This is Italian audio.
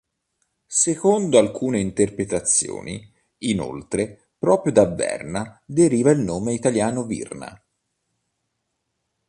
Secondo alcune interpretazioni, inoltre, proprio da Verna deriva il nome italiano Virna.